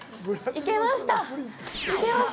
行けました。